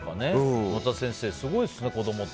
沼田先生、すごいですね子供って。